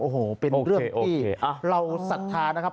โอ้โหเป็นเรื่องที่เราศรัทธานะครับ